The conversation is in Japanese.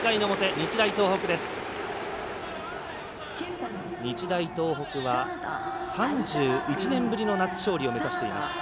日大東北は３１年ぶりの夏勝利を目指しています。